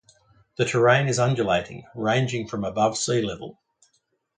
The terrain is undulating ranging from above sea level.